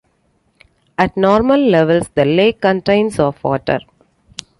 At normal levels the lake contains of water.